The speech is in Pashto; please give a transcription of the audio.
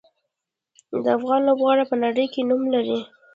افغان لوبغاړي په نړۍ کې نوم لري.